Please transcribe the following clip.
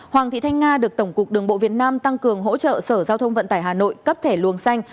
hoàng thị thanh nga được tổng cục đường bộ việt nam tăng cường hỗ trợ sở giao thông vận tải hà nội cấp thẻ luồng xanh